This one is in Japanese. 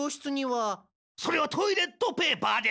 それはトイレットペーパーです！